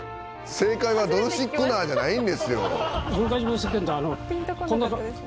「“正解はドルシックナー”じゃないんですよ」